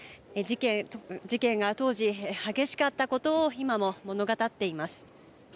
事件が当時、激しかったことを今も物語っています。